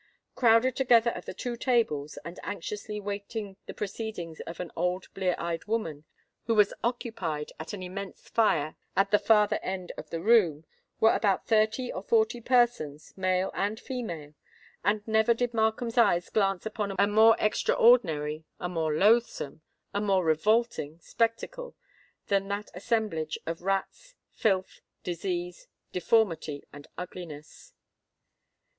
Crowded together at the two tables, and anxiously watching the proceedings of an old blear eyed woman, who was occupied at an immense fire at the farther end of the room, were about thirty or forty persons, male and female. And never did Markham's eyes glance upon a more extraordinary—a more loathsome—a more revolting spectacle than that assemblage of rags, filth, disease, deformity, and ugliness.